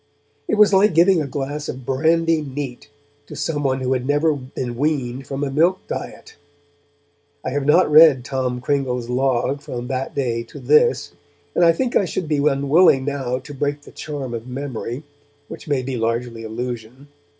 It was like giving a glass of brandy neat to someone who had never been weaned from a milk diet. I have not read Tom Cringle's Log from that day to this, and I think that I should be unwilling now to break the charm of memory, which may be largely illusion.